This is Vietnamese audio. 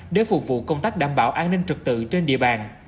để phục vụ công tác đảm bảo an ninh trực tự trên địa bàn